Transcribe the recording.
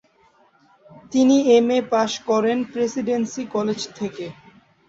তিনি MA pass করেন Presidency College থেকে।